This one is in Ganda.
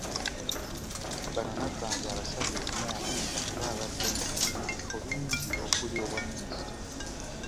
Bano Nabbanja abasabye okumuwa omukisa kuba abadde mu bifo bingi okuli obwaminisita